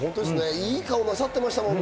いい顔なさってましたもんね。